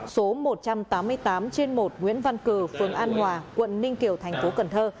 số một trăm tám mươi tám trên một nguyễn văn cử phường an hòa quận ninh kiều thành phố cần thơ